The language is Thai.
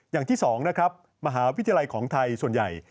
อย่างที่๒นะครับมหาวิทยาลัยของไทยส่วนใหญ่